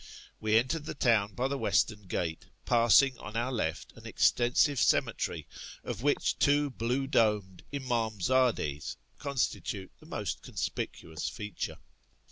We entered the town by the western gate, passing on our left an extensive cemetery, of which two blue domed imdmzdcUs con stitute the most conspicuous feature.